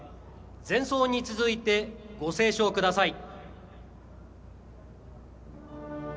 前奏に続いて、ご斉唱ください。